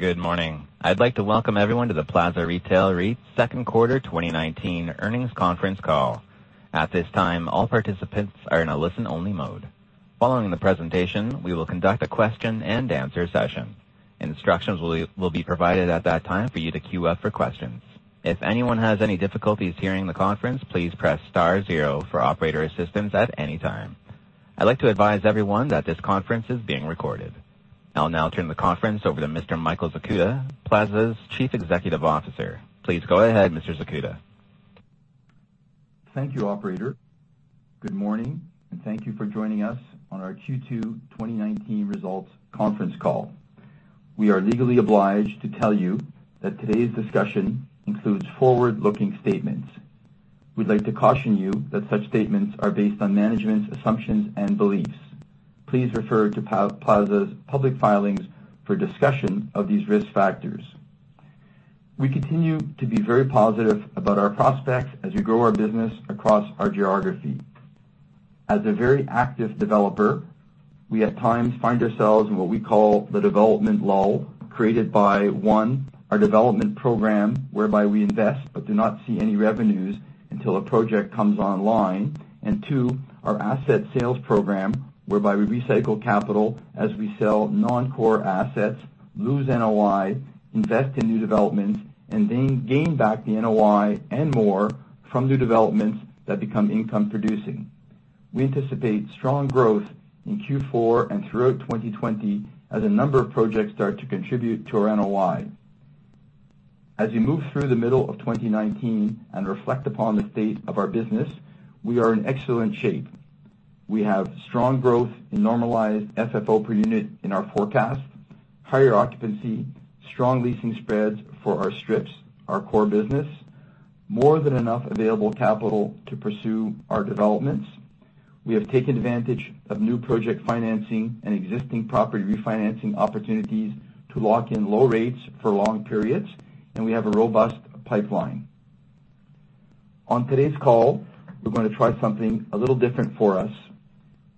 Good morning. I'd like to welcome everyone to the Plaza Retail REIT Second Quarter 2019 Earnings Conference Call. At this time, all participants are in a listen-only mode. Following the presentation, we will conduct a question and answer session. Instructions will be provided at that time for you to queue up for questions. If anyone has any difficulties hearing the conference, please press star zero for operator assistance at any time. I'd like to advise everyone that this conference is being recorded. I'll now turn the conference over to Mr. Michael Zakuta, Plaza's Chief Executive Officer. Please go ahead, Mr. Zakuta. Thank you, operator. Good morning, thank you for joining us on our Q2 2019 results conference call. We are legally obliged to tell you that today's discussion includes forward-looking statements. We'd like to caution you that such statements are based on management's assumptions and beliefs. Please refer to Plaza's public filings for discussion of these risk factors. We continue to be very positive about our prospects as we grow our business across our geography. As a very active developer, we at times find ourselves in what we call the development lull, created by, one, our development program, whereby we invest but do not see any revenues until a project comes online. Two, our asset sales program, whereby we recycle capital as we sell non-core assets, lose NOI, invest in new developments, and then gain back the NOI and more from new developments that become income producing. We anticipate strong growth in Q4 and throughout 2020 as a number of projects start to contribute to our NOI. As we move through the middle of 2019 and reflect upon the state of our business, we are in excellent shape. We have strong growth in normalized FFO per unit in our forecast, higher occupancy, strong leasing spreads for our strips, our core business, more than enough available capital to pursue our developments. We have taken advantage of new project financing and existing property refinancing opportunities to lock in low rates for long periods. We have a robust pipeline. On today's call, we're going to try something a little different for us.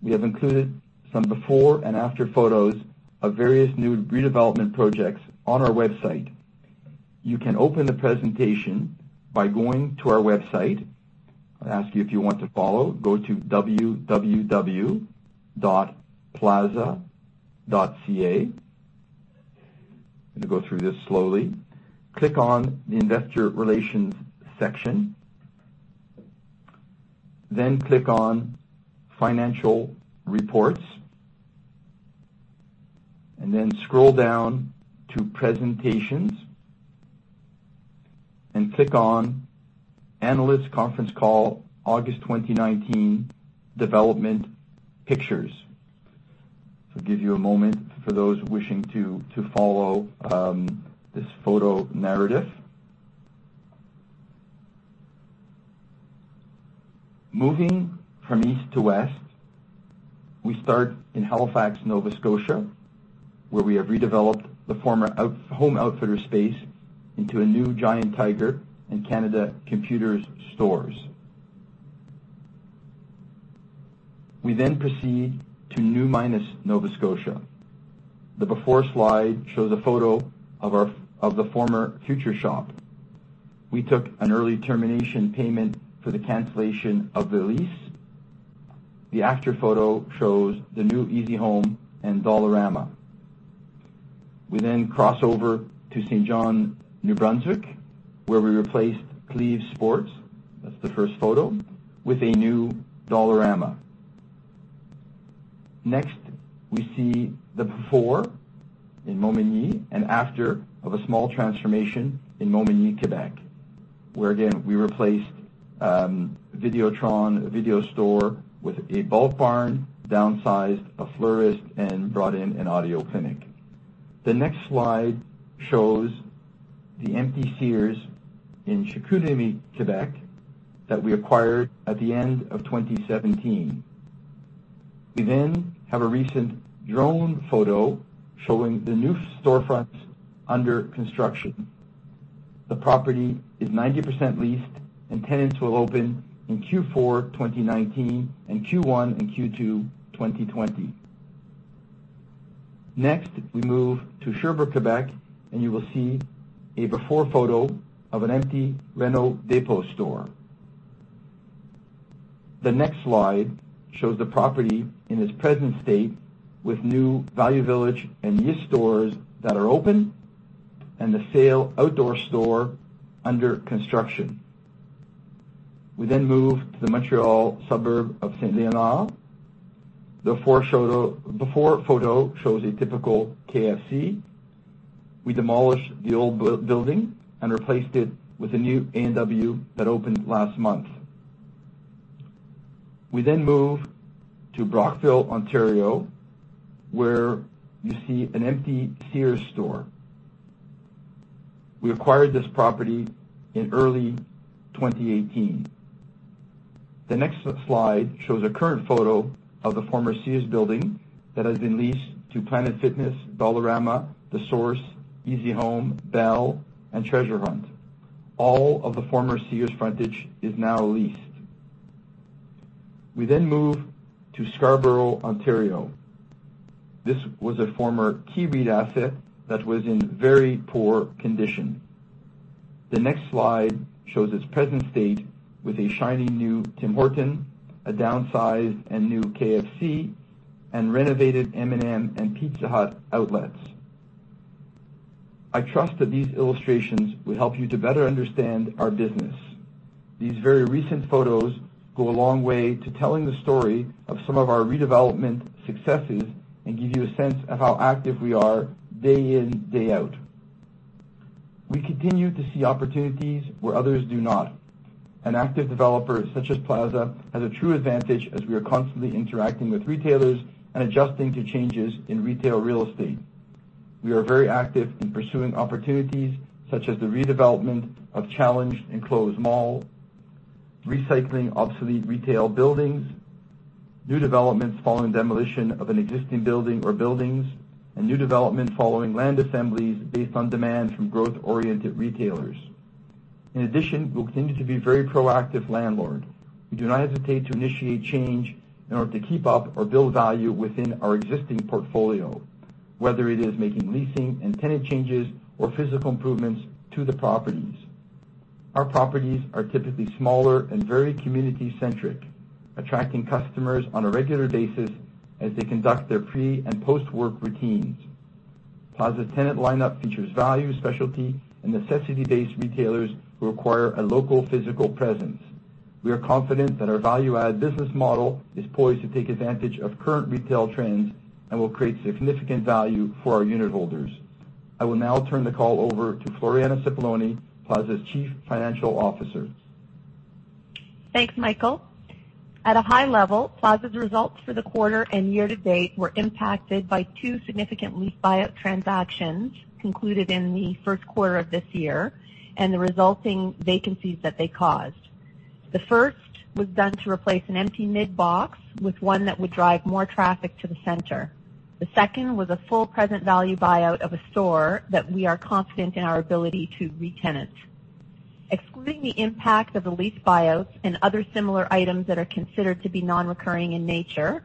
We have included some before and after photos of various new redevelopment projects on our website. You can open the presentation by going to our website. I'll ask you if you want to follow. Go to www.plaza.ca. I'm going to go through this slowly. Click on the Investor Relations section, click on Financial Reports, scroll down to Presentations and click on Analyst Conference Call August 2019 Development Pictures. I'll give you a moment for those wishing to follow this photo narrative. Moving from east to west, we start in Halifax, Nova Scotia, where we have redeveloped the former Home Outfitters space into a new Giant Tiger and Canada Computers stores. We proceed to New Minas, Nova Scotia. The before slide shows a photo of the former Future Shop. We took an early termination payment for the cancellation of the lease. The after photo shows the new easyhome and Dollarama. We cross over to Saint John, New Brunswick, where we replaced Cleve's Source for Sports, that's the first photo, with a new Dollarama. Next, we see the before in Montmagny and after of a small transformation in Montmagny, Quebec, where again, we replaced a Videotron video store with a Bulk Barn, downsized a florist, and brought in an audio clinic. The next slide shows the empty Sears in Chicoutimi, Quebec, that we acquired at the end of 2017. We have a recent drone photo showing the new storefronts under construction. The property is 90% leased, and tenants will open in Q4 2019 and Q1 and Q2 2020. Next, we move to Sherbrooke, Quebec, and you will see a before photo of an empty Réno-Dépôt store. The next slide shows the property in its present state with new Value Village and Yves stores that are open and the SAIL outdoor store under construction. We move to the Montreal suburb of Saint Léonard. The before photo shows a typical KFC. We demolished the old building and replaced it with a new A&W that opened last month. We move to Brockville, Ontario, where you see an empty Sears store. We acquired this property in early 2018. The next slide shows a current photo of the former Sears building that has been leased to Planet Fitness, Dollarama, The Source, easyhome, Bell, and Treasure Hunt. All of the former Sears frontage is now leased. We move to Scarborough, Ontario. This was a former KEYreit asset that was in very poor condition. The next slide shows its present state with a shiny new Tim Hortons, a downsized and new KFC, and renovated M&M and Pizza Hut outlets. I trust that these illustrations will help you to better understand our business. These very recent photos go a long way to telling the story of some of our redevelopment successes and give you a sense of how active we are day in, day out. We continue to see opportunities where others do not. An active developer such as Plaza has a true advantage as we are constantly interacting with retailers and adjusting to changes in retail real estate. We are very active in pursuing opportunities such as the redevelopment of challenged enclosed mall, recycling obsolete retail buildings, new developments following demolition of an existing building or buildings, and new developments following land assemblies based on demand from growth-oriented retailers. In addition, we continue to be very proactive landlord. We do not hesitate to initiate change in order to keep up or build value within our existing portfolio, whether it is making leasing and tenant changes or physical improvements to the properties. Our properties are typically smaller and very community-centric, attracting customers on a regular basis as they conduct their pre and post-work routines. Plaza tenant lineup features value, specialty, and necessity-based retailers who require a local physical presence. We are confident that our value-add business model is poised to take advantage of current retail trends and will create significant value for our unit holders. I will now turn the call over to Floriana Cipollone, Plaza's Chief Financial Officer. Thanks, Michael. At a high level, Plaza's results for the quarter and year to date were impacted by two significant lease buyout transactions concluded in the first quarter of this year and the resulting vacancies that they caused. The first was done to replace an empty mid-box with one that would drive more traffic to the center. The second was a full present value buyout of a store that we are confident in our ability to retenant. Excluding the impact of the lease buyouts and other similar items that are considered to be non-recurring in nature,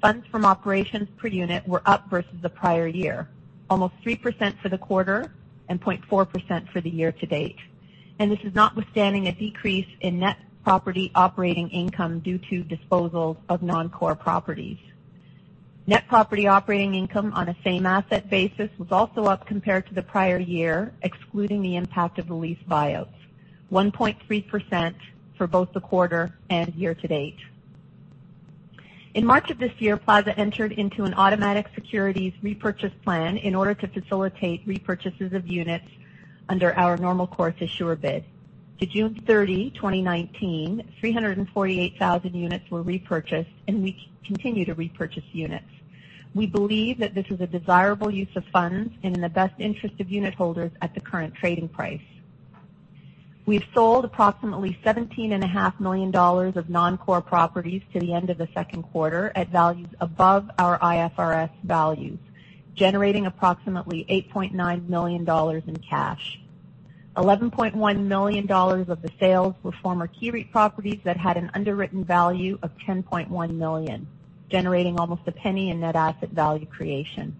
funds from operations per unit were up versus the prior year. Almost 3% for the quarter and 0.4% for the year to date. This is notwithstanding a decrease in net property operating income due to disposals of non-core properties. Net property operating income on a same asset basis was also up compared to the prior year, excluding the impact of the lease buyouts. 1.3% for both the quarter and year to date. In March of this year, Plaza entered into an automatic securities repurchase plan in order to facilitate repurchases of units under our normal course issuer bid. To June 30, 2019, 348,000 units were repurchased. We continue to repurchase units. We believe that this is a desirable use of funds and in the best interest of unit holders at the current trading price. We've sold approximately 17.5 million dollars of non-core properties to the end of the second quarter at values above our IFRS values, generating approximately 8.9 million dollars in cash. 11.1 million dollars of the sales were former KEYreit properties that had an underwritten value of 10.1 million, generating almost CAD 0.01 in net asset value creation.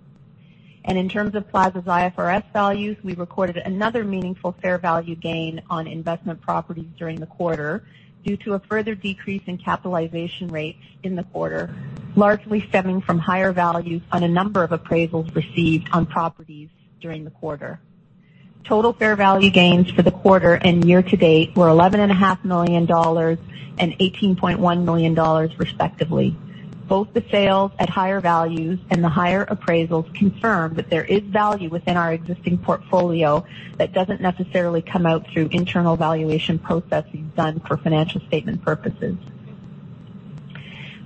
In terms of Plaza's IFRS values, we recorded another meaningful fair value gain on investment properties during the quarter due to a further decrease in capitalization rates in the quarter, largely stemming from higher values on a number of appraisals received on properties during the quarter. Total fair value gains for the quarter and year to date were 11.5 million dollars and 18.1 million dollars, respectively. Both the sales at higher values and the higher appraisals confirm that there is value within our existing portfolio that doesn't necessarily come out through internal valuation processes done for financial statement purposes.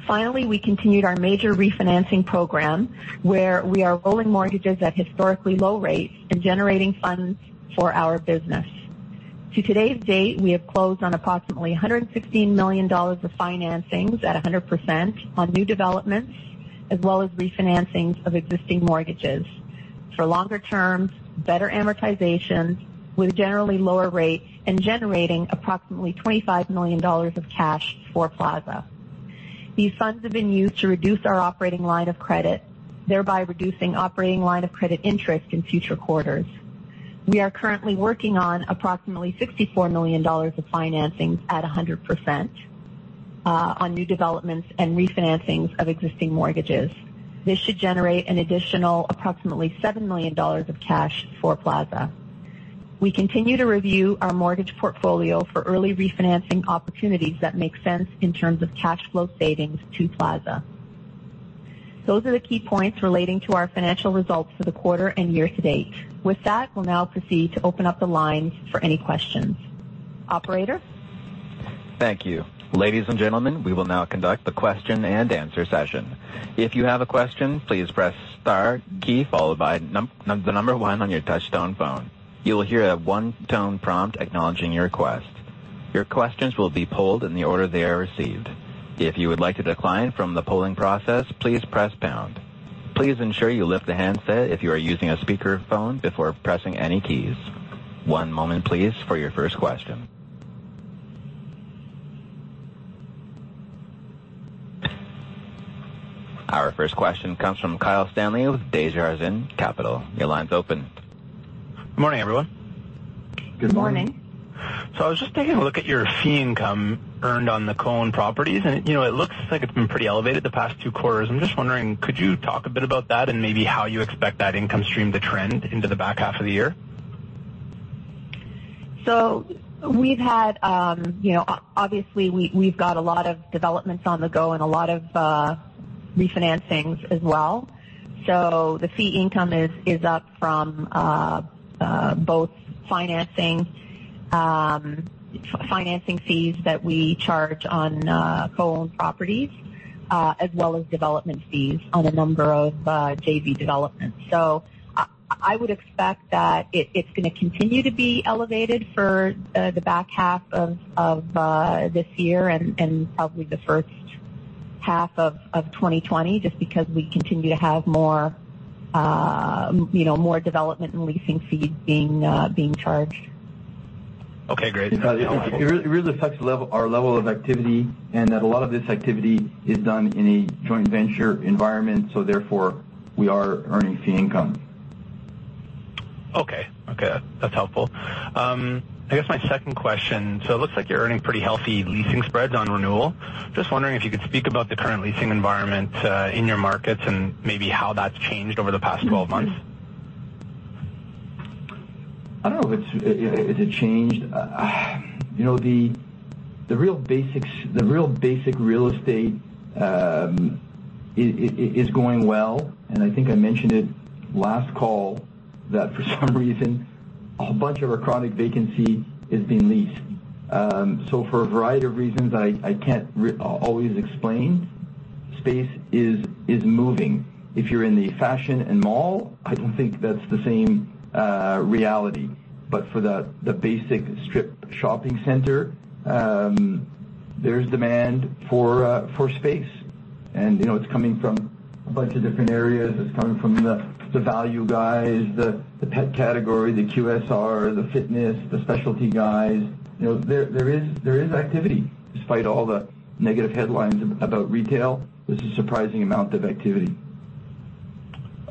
Finally, we continued our major refinancing program where we are rolling mortgages at historically low rates and generating funds for our business. To today's date, we have closed on approximately 116 million dollars of financings at 100% on new developments, as well as refinancing of existing mortgages for longer terms, better amortization with a generally lower rate and generating approximately 25 million dollars of cash for Plaza. These funds have been used to reduce our operating line of credit, thereby reducing operating line of credit interest in future quarters. We are currently working on approximately 64 million dollars of financing at 100% on new developments and refinancing of existing mortgages. This should generate an additional approximately 7 million dollars of cash for Plaza. We continue to review our mortgage portfolio for early refinancing opportunities that make sense in terms of cash flow savings to Plaza. Those are the key points relating to our financial results for the quarter and year to date. With that, we'll now proceed to open up the lines for any questions. Operator? Thank you. Ladies and gentlemen, we will now conduct the question and answer session. If you have a question, please press star key followed by the number one on your touchtone phone. You will hear a one-tone prompt acknowledging your request. Your questions will be polled in the order they are received. If you would like to decline from the polling process, please press pound. Please ensure you lift the handset if you are using a speakerphone before pressing any keys. One moment please for your first question. Our first question comes from Kyle Stanley with Desjardins Capital. Your line's open. Good morning, everyone. Good morning. I was just taking a look at your fee income earned on the co-owned properties, and it looks like it has been pretty elevated the past two quarters. I am just wondering, could you talk a bit about that and maybe how you expect that income stream to trend into the back half of the year? Obviously, we've got a lot of developments on the go and a lot of refinancings as well. The fee income is up from both financing fees that we charge on co-owned properties, as well as development fees on a number of JV developments. I would expect that it's going to continue to be elevated for the back half of this year and probably the first half of 2020, just because we continue to have more development and leasing fees being charged. Okay, great. That's helpful. It really reflects our level of activity, and that a lot of this activity is done in a joint venture environment, so therefore we are earning fee income. Okay. That's helpful. I guess my second question, it looks like you're earning pretty healthy leasing spreads on renewal. Just wondering if you could speak about the current leasing environment in your markets and maybe how that's changed over the past 12 months. I don't know if it changed. The real basic real estate is going well, and I think I mentioned it last call that for some reason, a bunch of our chronic vacancy is being leased. For a variety of reasons, I can't always explain, space is moving. If you're in the fashion and mall, I don't think that's the same reality. For the basic strip shopping center, there's demand for space, and it's coming from a bunch of different areas. It's coming from the value guys, the pet category, the QSR, the fitness, the specialty guys. There is activity despite all the negative headlines about retail. There's a surprising amount of activity.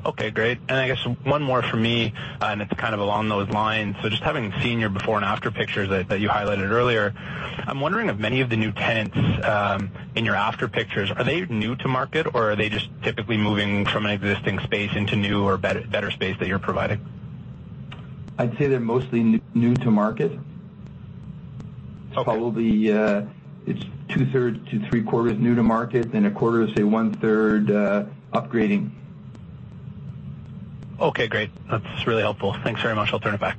Okay, great. I guess one more from me, and it's kind of along those lines. Just having seen your before and after pictures that you highlighted earlier, I'm wondering if many of the new tenants in your after pictures, are they new to market, or are they just typically moving from an existing space into new or better space that you're providing? I'd say they're mostly new to market. Okay. Probably it's two-thirds to three-quarters new to market, then a quarter to one-third upgrading. Okay, great. That's really helpful. Thanks very much. I'll turn it back.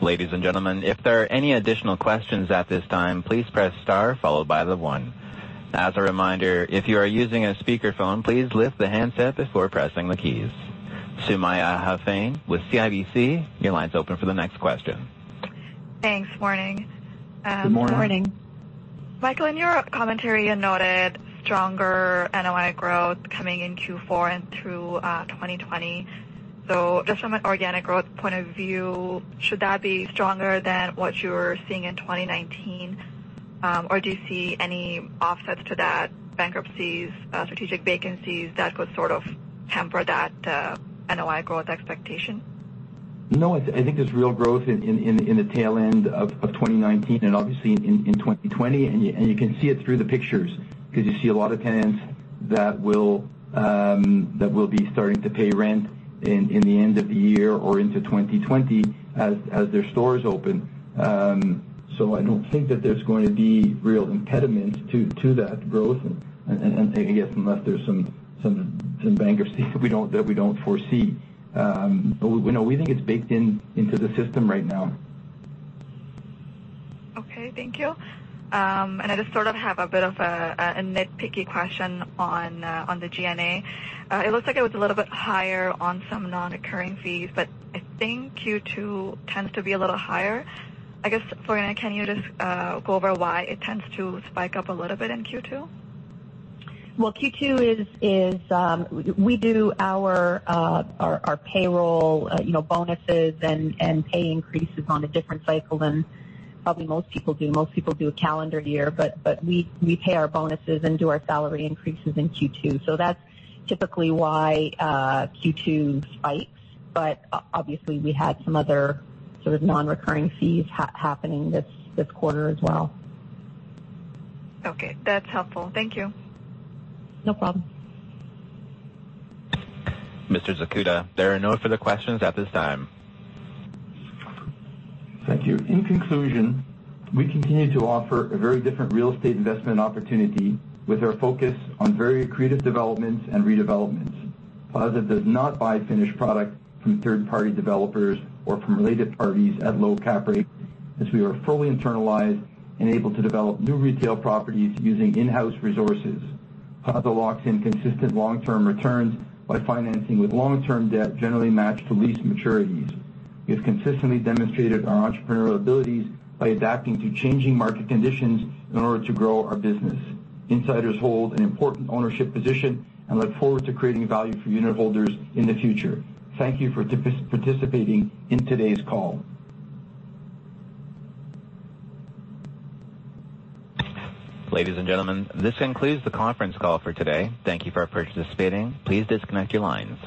Ladies and gentlemen, if there are any additional questions at this time, please press star followed by the one. As a reminder, if you are using a speakerphone, please lift the handset before pressing the keys. Sumaiya Hafiz with CIBC, your line's open for the next question. Thanks. Morning. Good morning. Morning. Michael, in your commentary, you noted stronger NOI growth coming in Q4 and through 2020. Just from an organic growth point of view, should that be stronger than what you're seeing in 2019? Or do you see any offsets to that, bankruptcies, strategic vacancies, that could sort of hamper that NOI growth expectation? No, I think there's real growth in the tail end of 2019 and obviously in 2020. You can see it through the pictures because you see a lot of tenants that will be starting to pay rent in the end of the year or into 2020 as their stores open. I don't think that there's going to be real impediments to that growth, I guess, unless there's some bankruptcy that we don't foresee. No, we think it's baked into the system right now. Okay. Thank you. I just sort of have a bit of a nitpicky question on the G&A. It looks like it was a little bit higher on some non-occurring fees, but I think Q2 tends to be a little higher. I guess, Floriana, can you just go over why it tends to spike up a little bit in Q2? Well, Q2 is, we do our payroll bonuses and pay increases on a different cycle than probably most people do. Most people do a calendar year, but we pay our bonuses and do our salary increases in Q2. That's typically why Q2 spikes. Obviously, we had some other sort of non-recurring fees happening this quarter as well. Okay. That's helpful. Thank you. No problem. Mr. Zakuta, there are no further questions at this time. Thank you. In conclusion, we continue to offer a very different real estate investment opportunity with our focus on very accretive developments and redevelopments. Plaza does not buy finished product from third-party developers or from related parties at low cap rates, as we are fully internalized and able to develop new retail properties using in-house resources. Plaza locks in consistent long-term returns by financing with long-term debt generally matched to lease maturities. We have consistently demonstrated our entrepreneurial abilities by adapting to changing market conditions in order to grow our business. Insiders hold an important ownership position and look forward to creating value for unitholders in the future. Thank you for participating in today's call. Ladies and gentlemen, this concludes the conference call for today. Thank you for participating. Please disconnect your lines.